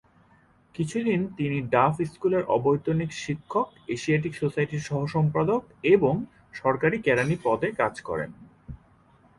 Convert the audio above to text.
কিছু দিন তিনি ডাফ স্কুলের অবৈতনিক শিক্ষক, এশিয়াটিক সোসাইটির সহ-সম্পাদক এবং সরকারি কেরানি পদে কাজ করেন।